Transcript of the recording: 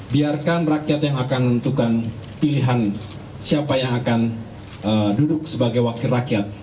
biarkan rakyat yang akan menentukan pilihan siapa yang akan duduk sebagai wakil rakyat